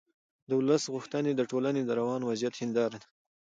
د ولس غوښتنې د ټولنې د روان وضعیت هنداره ده